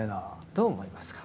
どう思いますか？